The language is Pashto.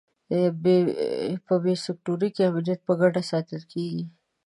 په بي سیکټور کې امنیت په ګډه ساتل کېږي.